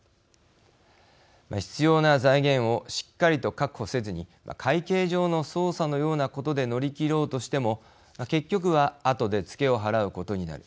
必要な財源をしっかりと確保せずに会計上の操作のようなことで乗り切ろうとしても、結局は後でツケを払うことになる。